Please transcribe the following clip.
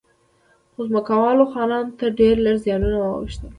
خو ځمکوالو خانانو ته ډېر لږ زیانونه واوښتل.